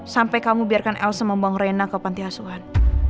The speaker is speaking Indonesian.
sampai kamu biarkan elsa membawa rena ke pantai asuhan